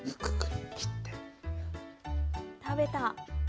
食べた。